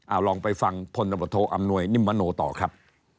อ่าลองไปฟังพลนบทโทอำนวยนิมโมโนต่อครับ